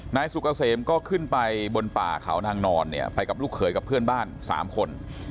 นายสุกเกษมก็ขึ้นไปบนป่าเขานางนอนเนี่ยไปกับลูกเขยกับเพื่อนบ้าน๓คน